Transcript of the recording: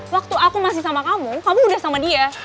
waktu aku masih sama kamu kamu udah sama dia